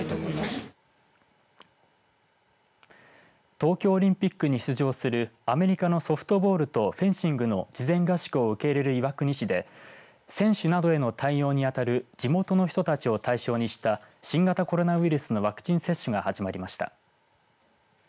東京オリンピックに出場するアメリカのソフトボールとフェンシングの事前合宿を受け入れる岩国市で選手などへの対応にあたる地元の人たちを対象にした新型コロナウイルスのワクチン接種が始まりました。